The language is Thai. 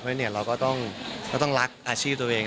เพราะฉะนั้นเราก็ต้องรักอาชีพตัวเอง